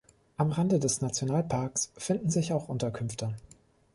Am Rande des Nationalparks finden sich auch Unterkünfte.